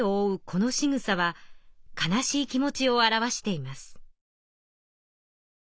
このしぐさは悲しい気持ちを表しています。